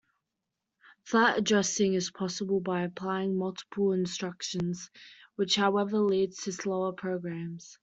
Flat addressing is possible by applying multiple instructions, which however leads to slower programs.